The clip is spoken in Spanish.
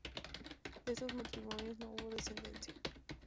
De estos matrimonios no hubo descendencia.